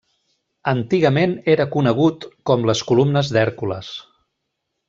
Antigament era conegut com les Columnes d'Hèrcules.